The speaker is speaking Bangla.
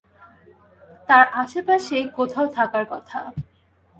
তার আশেপাশেই কোথাও থাকার কথা!